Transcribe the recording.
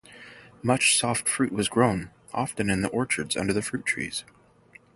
Much soft fruit was grown, often in the orchards under the fruit trees.